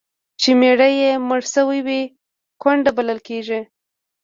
چي میړه یې مړ سوی وي، کونډه بلل کیږي.